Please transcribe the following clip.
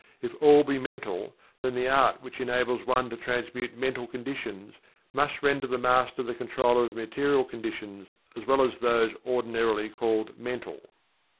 If All be Mental, then the art which enables one to transmute mental conditions must render the Master the controller of material conditions as well as those ordinarily called "mental."